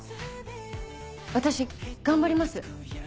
私頑張ります。